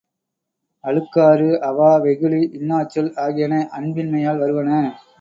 அழுக்காறு, அவா, வெகுளி, இன்னாச்சொல் ஆகியன அன்பின்மையால் வருவன.